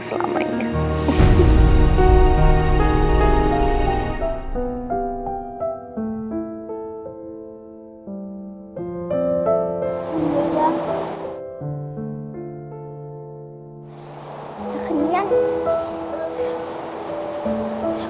baru aku pulang